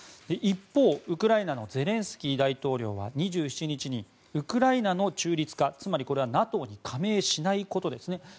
一方、ウクライナのゼレンスキー大統領は２７日にウクライナの中立化つまりこれは、ＮＡＴＯに加盟しないことですね。